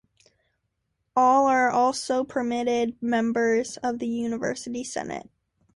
All are also permanent members of the university senate.